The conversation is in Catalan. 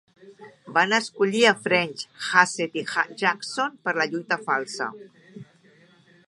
Van escollir a French, Hassett i Jackson per la lluita falsa.